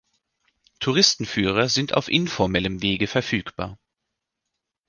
Touristenführer sind auf informellem Wege verfügbar.